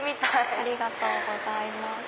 ありがとうございます。